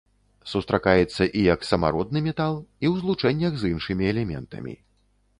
Сустракаецца і як самародны метал, і ў злучэннях з іншымі элементамі.